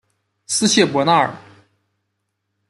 斯谢伯纳尔。